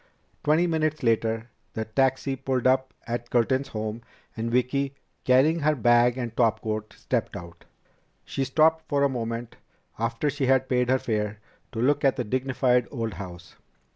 Twenty minutes later the taxi pulled up at the Curtins' home, and Vicki, carrying her bag and topcoat, stepped out. She stopped for a moment, after she had paid her fare, to look at the dignified old house.